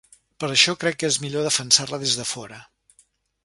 Per això crec que és millor defensar-la des de fora.